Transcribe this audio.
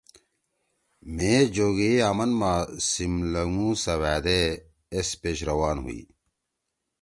مھی جوگیے آمن ما سیملھنگُو سوآدے ایس پیش روان ہوئی۔